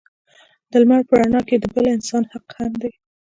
د لمر په رڼا کې د بل انسان حق هم دی.